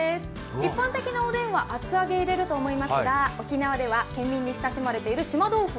一般的なおでんは厚揚げを入れると思いますが、沖縄では県民に親しまれている島豆腐。